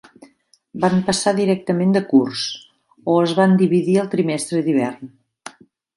Van passar directament de curs o es van dividir al trimestre d'hivern.